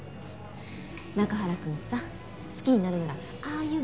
中原くんさ好きになるならああいう